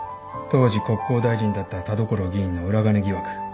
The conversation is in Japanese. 当時国交大臣だった田所議員の裏金疑惑。